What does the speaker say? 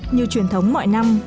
như truyền thống mọi năm